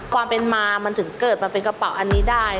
ความเป็นมามันถึงเกิดมาเป็นกระเป๋าอันนี้ได้